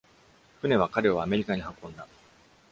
船は彼をアメリカに運んだ。